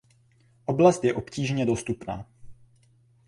Oblast je obtížně dostupná.